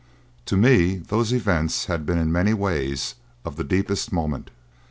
To me those events had been in many ways of the deepest moment.